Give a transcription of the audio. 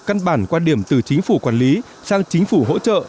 căn bản quan điểm từ chính phủ quản lý sang chính phủ hỗ trợ